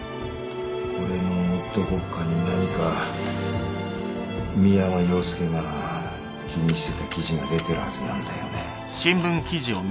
これのどこかに何か三山陽介が気にしてた記事が出てるはずなんだよね。